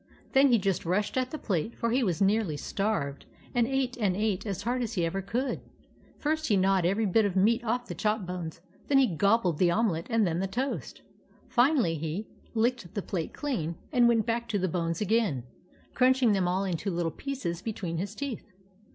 Then he just rushed at the plate, for he was nearly starved, and ate and ate as hard as ever he could. First, he gnawed every bit of meat off the chop bones, then he gobbled the omelet, and then the toast. Finally, he THE ROBBERS 43 licked the plate clean and went back to the bones again, crunching them all into little pieces between his teeth.